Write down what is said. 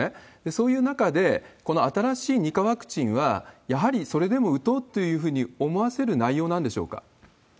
そういう中で、この新しい２価ワクチンは、やはりそれでも打とうというふうに思わせる内容なんでしょうか。